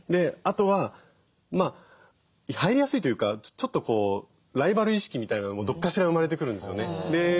あとはまあ入りやすいというかちょっとライバル意識みたいなのもどこかしら生まれてくるんですよね。